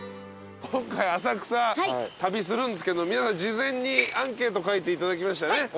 今回浅草旅するんですけど皆さん事前にアンケート書いていただきましたよね？